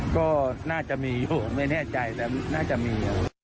ก็น่าจะมีผมไม่แน่ใจแต่น่าจะมี